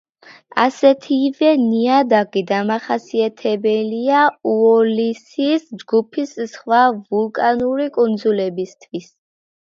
ასეთივე ნიადაგი დამახასიათებელია უოლისის ჯგუფის სხვა ვულკანური კუნძულებისთვის.